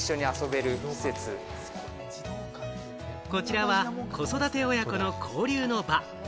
こちらは子育て親子の交流の場。